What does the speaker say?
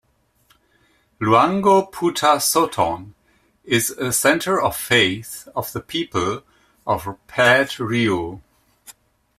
"Luangpho Phuttha Sothon" is a centre of faith of the people of Paet Riu.